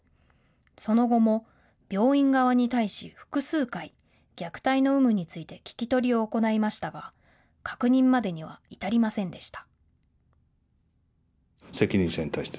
その後も病院側に対し複数回、虐待の有無について聞き取りを行いましたが確認までには至りませんでした。